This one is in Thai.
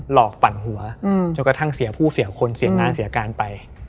อกปั่นหัวจนกระทั่งเสียผู้เสียคนเสียงานเสียการไป